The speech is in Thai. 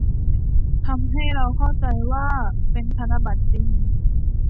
ทำให้เราเข้าใจว่าเป็นธนบัตรจริง